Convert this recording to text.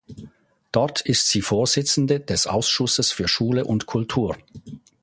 Dort ist sie Vorsitzende des Ausschusses für Schule und Kultur.